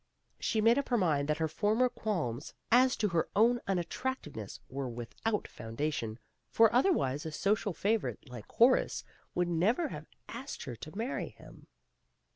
She made up her mind that her former qualms as to her own unattractive ness were without foundation, for otherwise a social favorite like Horace would never have asked her to marry him.